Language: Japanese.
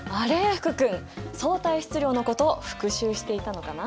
福君相対質量のことを復習していたのかな？